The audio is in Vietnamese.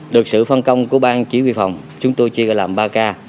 được sự phân công của bang chỉ huy phòng chúng tôi chia làm ba ca